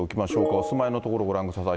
お住まいの所ご覧ください。